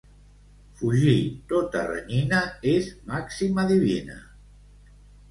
Fugir tota renyina és màxima divina.